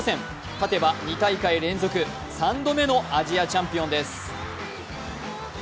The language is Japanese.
勝てば２大会連続、３度目のアジアチャンピオンです。